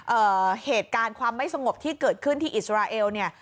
เอ่อเหตุการณ์ความไม่สงบที่เกิดขึ้นที่อิสราเอลเนี่ย